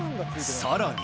さらに。